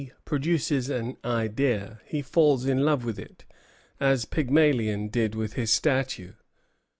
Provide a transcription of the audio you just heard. produces an idea he falls in love with it, as Pygmalion did with his statue.